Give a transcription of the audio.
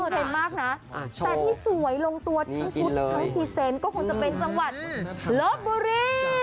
แต่ที่สวยลงตัวทุกทุกศุนย์ธุ์ถูกก็คงเป็นสมัติ